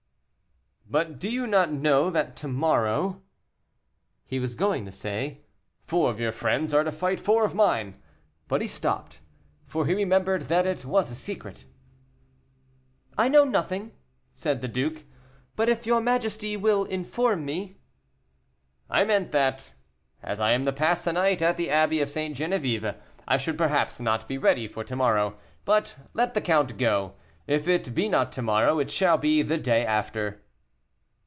"But do you not know that to morrow " He was going to say, "Four of your friends are to fight four of mine;" but he stopped, for he remembered that it was a secret. "I know nothing," said the duke; "but if your majesty will inform me " "I meant that, as I am to pass the night at the Abbey of St. Genevieve, I should perhaps not be ready for to morrow; but let the count go; if it be not to morrow, it shall be the day after."